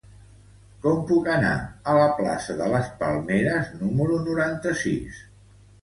Com puc anar a la plaça de les Palmeres número noranta-sis?